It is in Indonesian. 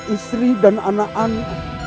istri dan anak anak